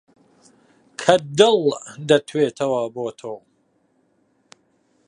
کە دڵ دەتوێتەوە بۆ تۆ